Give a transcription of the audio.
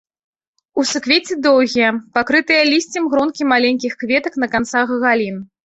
У суквецці доўгія, пакрытыя лісцем гронкі маленькіх кветак на канцах галін.